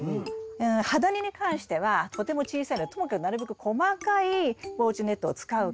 ハダニに関してはとても小さいのでともかくなるべく細かい防虫ネットを使う。